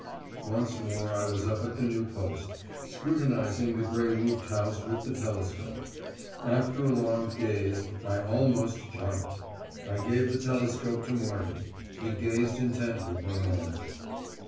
Once more I was up at the new post, scrutinising the grey roofed house with the telescope. After a long gaze, I almost jumped. I gave the telescope to Morgan. He gazed intently for a moment.